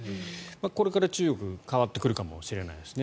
これから中国、変わってくるかもしれないですね。